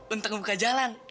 untuk ngebuka jalan